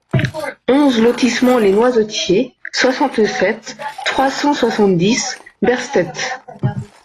onze lotissement les Noisetiers, soixante-sept, trois cent soixante-dix, Berstett